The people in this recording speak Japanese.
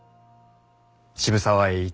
渋沢栄一」。